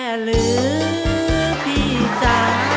แม่เลยพี่จ๊ะ